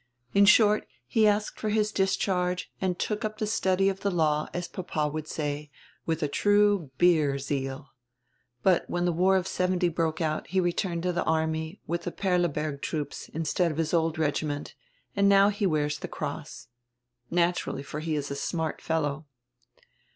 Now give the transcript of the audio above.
In short, he asked for his discharge and took up die study of die law, as papa would say, with a 'true beer zeal.' But when the war of seventy broke out he returned to die army, widi die Perle berg troops, instead of his old regiment, and he now wears die cross. Naturally, for he is a smart fellow.